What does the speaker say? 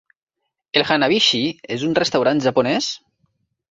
El Hanabishi és un restaurant japonès?